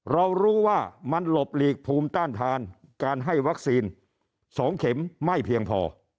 เรารู้ว่ามันหลบหลีกภูมิต้านทานการให้วัคซีน๒เข็มไม่เพียงพอ